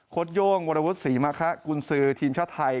โย่งวรวุฒิศรีมะคะกุญสือทีมชาติไทย